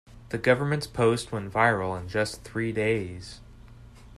The government's post went viral in just three days.